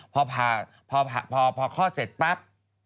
พอพาพอข้อเสร็จปั๊บ